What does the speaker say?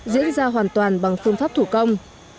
diễn ra hoàn toàn bằng phương pháp thủ công